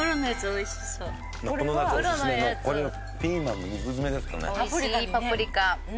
おいしいパプリカ。